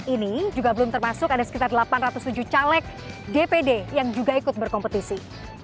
ini juga belum termasuk ada sekitar delapan ratus tujuh caleg dpd yang juga ikut berkompetisi